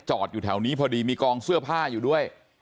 อยู่แถวนี้พอดีมีกองเสื้อผ้าอยู่ด้วย